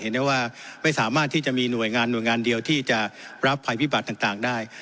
ได้ว่าไม่สามารถที่จะมีหน่วยงานหน่วยงานเดียวที่จะรับภัยพิบัติต่างได้